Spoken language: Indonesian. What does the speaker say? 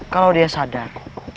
kalau dia sadar